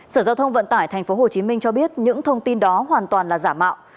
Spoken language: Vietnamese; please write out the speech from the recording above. sở giao thông vận tải tp hcm cho biết những thông tin đó hoàn toàn là giả mạo